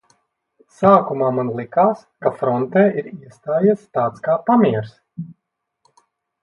Sākumā man likās, ka frontē ir iestājies tāds kā pamiers.